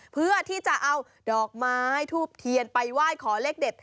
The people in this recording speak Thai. เพื่อที่จะเอาดอกไม้ทูบเทียนไปไหว้ขอเลขเด็ด